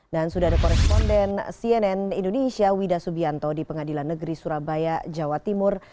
dan sudah ada koresponden cnn indonesia wida subianto di pengadilan negeri surabaya jawa timur